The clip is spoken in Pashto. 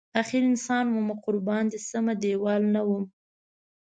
اخر انسان ومه قربان دی شم دیوال نه وم